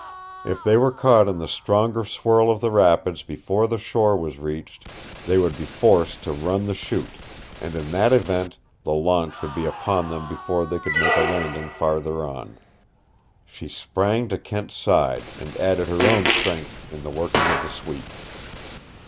If they were caught in the stronger swirl of the rapids before the shore was reached, they would be forced to run the Chute, and in that event the launch would be upon them before they could make a landing farther on. She sprang to Kent's side and added her own strength in the working of the sweep.